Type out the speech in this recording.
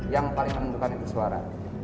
yang paling menentukan itu suara